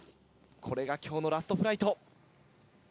これが今日のラストフライト。